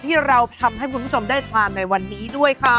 ที่เราทำให้คุณผู้ชมได้ทานในวันนี้ด้วยค่ะ